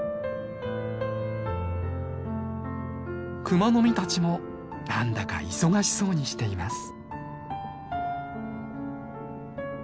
クマノミたちもなんだか忙しそうにしています。